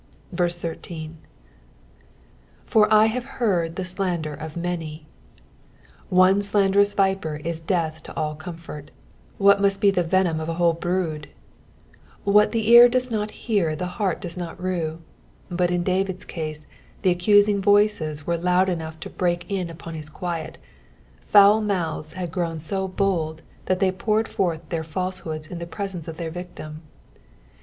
13. " For I have heard the tlander of tnani/." One slanderous viper is deatlk to all comfort — what must be the venom of a whole brood 1 What the ear does not hear the heart does not mo ; but in David's case the accusbg voices were loud enough to break in upon his quiet— foul mouths had grown so bold, that they poured forth their faUehooda in the presence of their victim.